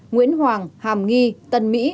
nguyễn hoàng hàm nghi tân mỹ